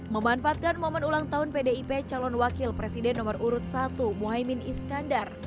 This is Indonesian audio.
memanfaatkan momen ulang tahun pdip calon wakil presiden nomor urut satu muhaymin iskandar